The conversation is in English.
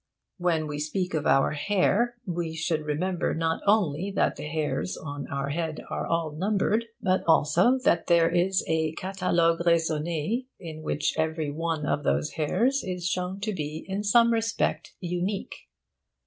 When we speak of our hair, we should remember not only that the hairs on our heads are all numbered, but also that there is a catalogue raisonne' in which every one of those hairs is shown to be in some respect unique.